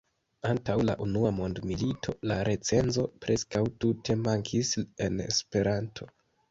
Antaŭ la unua mondmilito la recenzo preskaŭ tute mankis en Esperanto.